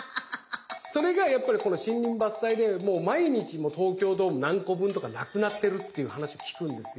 それがやっぱりこの森林伐採でもう毎日東京ドーム何個分とか無くなってるっていう話聞くんですよ。